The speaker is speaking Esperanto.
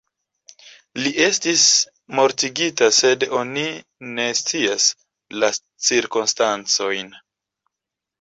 Li estis mortigita sed oni ne scias la cirkonstancojn.